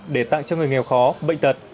để tặng cho người nghèo khó bệnh tật